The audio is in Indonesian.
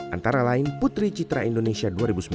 antara lain putri citra indonesia dua ribu sembilan belas